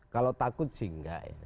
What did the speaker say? kalau takut sih enggak ya